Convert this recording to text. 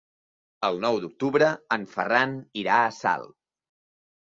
El nou d'octubre en Ferran irà a Salt.